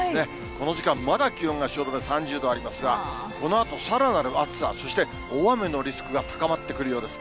この時間、まだ気温が汐留３０度ありますが、このあとさらなる暑さ、そして大雨のリスクが高まってくるようです。